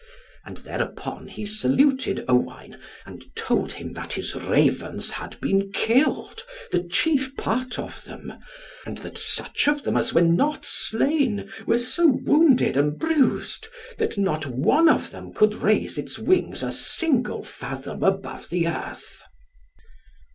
And thereupon he saluted Owain, and told him that his Ravens had been killed, the chief part of them, and that such of them as were not slain were so wounded and bruised that not one of them could raise its wings a single fathom above the earth.